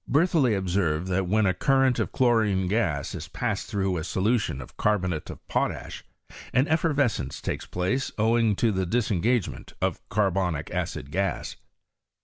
Bertholiet obsened that when a current of chlo rine gas is passed through a solution of carbonate of potash an eSerrescence takes place owing to tba disengagement of carbonic acid gas.